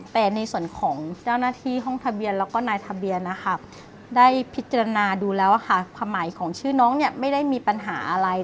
แต่ในส่วนของเจ้าหน้าที่ห้องทะเบียนแล้วก็นายทะเบียนนะคะได้พิจารณาดูแล้วค่ะความหมายของชื่อน้องเนี่ยไม่ได้มีปัญหาอะไร